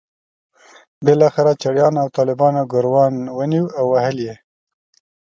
بالاخره چړیانو او طالبانو ګوروان ونیو او وهل یې.